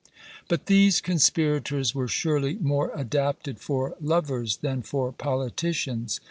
But these conspirators were surely more adapted for lovers than for politicians.